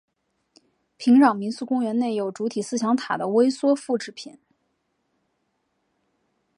平壤民俗公园内有主体思想塔的微缩复制品。